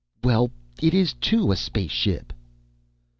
"Well, it is, too, a space ship."